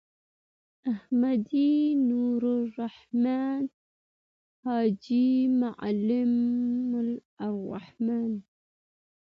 احمدی.نوالرحمن.حاجی معلم الرحمن